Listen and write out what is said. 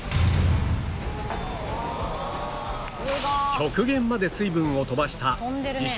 極限まで水分を飛ばした自称